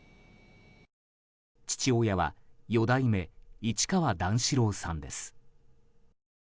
父親は四代目市川段四郎さんです。